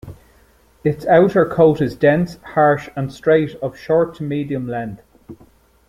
Its outer coat is dense, harsh and straight of short to medium-length.